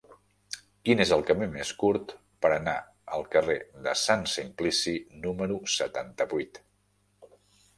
Quin és el camí més curt per anar al carrer de Sant Simplici número setanta-vuit?